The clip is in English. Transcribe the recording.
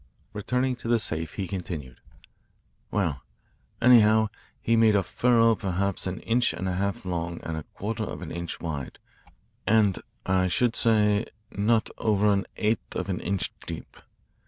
Returning to the safe, he continued: "Well, anyhow, he made a furrow perhaps an inch and a half long and a quarter of an inch wide and, I should say, not over an eighth of an inch deep.